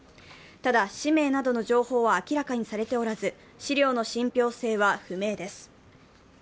ただ、氏名などの情報は明らかにされておらず、資料の信ぴょう性は不明です。